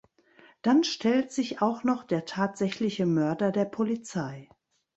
Dann stellt sich auch noch der tatsächliche Mörder der Polizei.